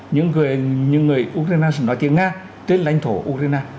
những người ukraine nói tiếng nga trên lãnh thổ ukraine